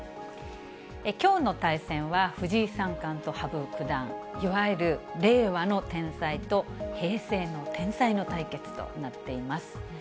きょうの対戦は、藤井三冠と羽生九段、いわゆる令和の天才と平成の天才の対決となっています。